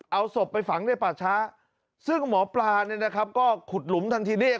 เอาศพไปฝังในป่าช้าซึ่งหมอปลาเนี่ยนะครับก็ขุดหลุมทันทีเนี่ย